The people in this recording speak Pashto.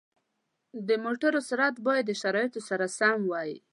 د موټرو سرعت باید د شرایطو سره سم وي.